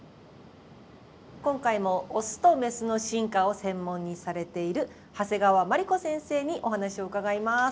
今回もオスとメスの進化を専門にされている長谷川眞理子先生にお話を伺います。